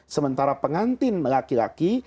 sementara pengantin laki laki